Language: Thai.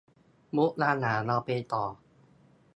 มุกดาหารเราไปต่อ